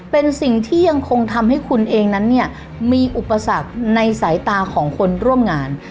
เป็นสิ่งที่ยังคงทำให้คุณเองนั้นเนี่ยมีอุปสรรคในสายตาของคนร่วมงาน